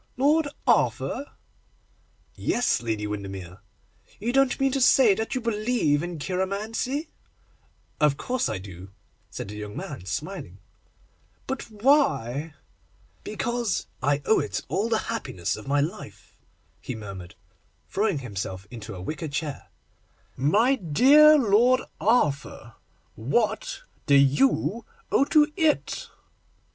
'Lord Arthur?' 'Yes, Lady Windermere.' 'You don't mean to say that you believe in cheiromancy?' 'Of course I do,' said the young man, smiling. 'But why?' 'Because I owe to it all the happiness of my life,' he murmured, throwing himself into a wicker chair. 'My dear Lord Arthur, what do you owe to it?